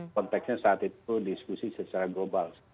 konteksnya saat itu diskusi secara global